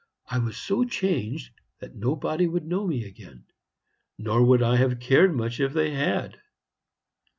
I was so changed that nobody could know me again; nor would I have cared much if they had.